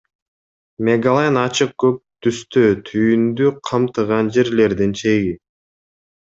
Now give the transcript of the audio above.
Мегалайн –ачык көк түстө, түйүндү камтыган жерлердин чеги.